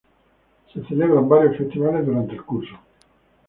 Se celebran varios festivales durante el curso.